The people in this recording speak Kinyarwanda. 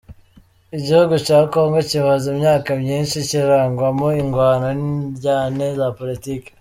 Igihugu ca Congo kimaze imyaka myinshi kirangwamwo ingwano n'indyane za politike.